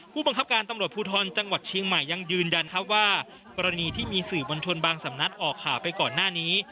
ผู้บังคับการตำรวจภูทรจังหวัดเชียงใหม่ยังยืนยันครับว่ากรณีที่มีสื่อมวลชนบางสำนักออกข่าวไปก่อนหน้านี้